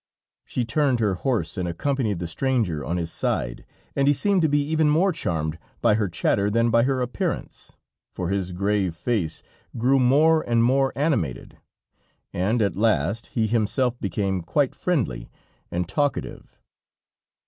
She turned her horse and accompanied the stranger on his side, and he seemed to be even more charmed by her chatter than by her appearance, for his grave face grew more and more animated, and at last he himself became quite friendly and talkative.